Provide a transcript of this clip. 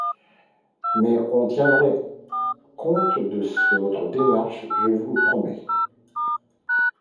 Mais on tiendra compte de votre démarche, je vous le promets.